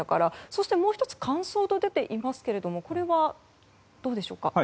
そして、もう１つ乾燥と出ていますがこれはどうでしょうか。